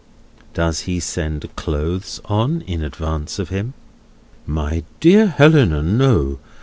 Does he send clothes on in advance of him? "My dear Helena, no.